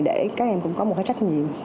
để các em cũng có một cái trách nhiệm